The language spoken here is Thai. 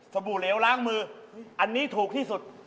บู่เหลวล้างมืออันนี้ถูกที่สุด